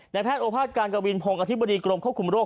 แพทย์โอภาษการกวินพงศ์อธิบดีกรมควบคุมโรค